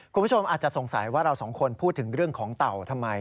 คุณผู้ชมอาจจะสงสัยว่าเราสองคนพูดถึงเรื่องของเต่าทำไม